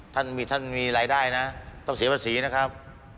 ท่านมีรายได้นะต้องเสียภาษีนะครับ